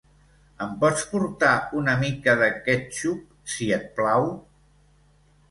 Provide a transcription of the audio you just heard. Em pots portar una mica de quètxup, "si et plau"?